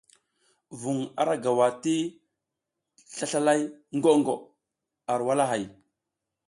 Vuŋ ara gawa ti slaslalay gwo gwo ar walahay.